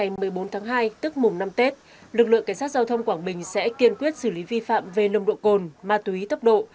tết hai mươi bốn tháng hai tức mùng năm tết lực lượng cảnh sát giao thông quảng bình sẽ kiên quyết xử lý vi phạm về nông độ cồn ma túy tốc độ